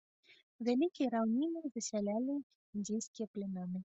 Вялікія раўніны засялялі індзейскія плямёны.